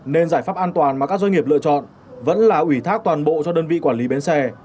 nên giải pháp an toàn mà các doanh nghiệp lựa chọn vẫn là ủy thác toàn bộ cho đơn vị quản lý bến xe